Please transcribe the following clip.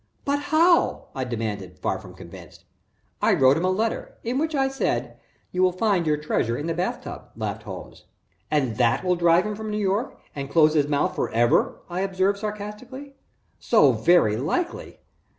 "But how?" I demanded, far from convinced. "I wrote him a letter in which I said: 'You will find your treasure in the bath tub,'" laughed Holmes. "And that will drive him from New York, and close his mouth forever!" I observed, sarcastically. "So very likely!"